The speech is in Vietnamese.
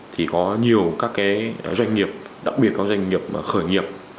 thì có nhiều các doanh nghiệp đặc biệt các doanh nghiệp khởi nghiệp